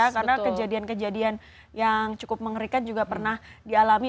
karena kejadian kejadian yang cukup mengerikan juga pernah dialami